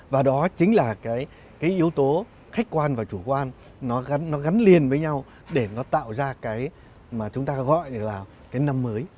và đó chính là cái yếu tố khách quan và chủ quan nó gắn nó gắn liền với nhau để nó tạo ra cái mà chúng ta gọi là cái năm mới